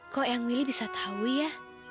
kok yang wili bisa tau ya